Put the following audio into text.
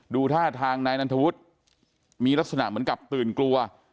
ท่าทางนายนันทวุฒิมีลักษณะเหมือนกับตื่นกลัว